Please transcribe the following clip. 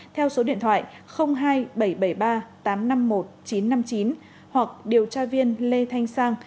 theo số điện thoại hai nghìn bảy trăm bảy mươi ba tám trăm năm mươi một chín trăm năm mươi chín hoặc điều tra viên lê thanh sang